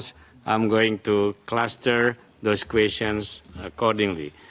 saya akan mengkluster pertanyaan pertanyaan tersebut secara bergabung